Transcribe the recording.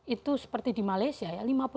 itu seperti di malaysia ya